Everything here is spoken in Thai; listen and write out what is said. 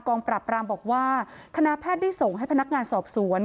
ปรับรามบอกว่าคณะแพทย์ได้ส่งให้พนักงานสอบสวน